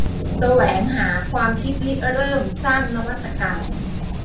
แสวงหาความคิดริเริ่ม สร้างนวัตกรรม